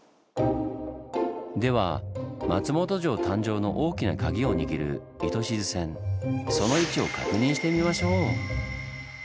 では松本城誕生の大きなカギを握る糸静線その位置を確認してみましょう！